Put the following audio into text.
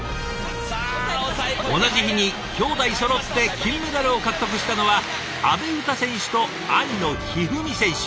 同じ日にきょうだいそろって金メダルを獲得したのは阿部詩選手と兄の一二三選手。